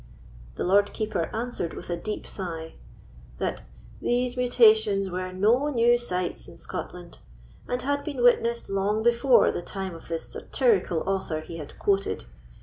The Lord Keeper answered with a deep sigh, "That these mutations were no new sights in Scotland, and had been witnessed long before the time of the satirical author he had quoted.